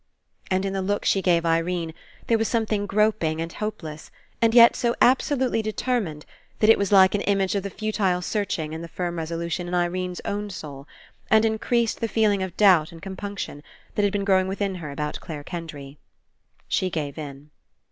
And In the look she gave Irene, there was something groping, and hopeless, and yet so absolutely determined that It was like an Image of the futile searching and the firm reso lution In Irene's own soul, and Increased the 129 PASSING feeling of doubt and compunction that had been growing within her about Clare Kendry. She gave in.